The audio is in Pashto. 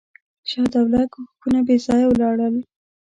شجاع الدوله کوښښونه بېځایه ولاړل.